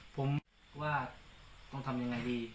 ผมว่าต้องทำยังไงดี